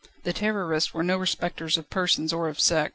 The Terrorists were no respecters of persons or of sex.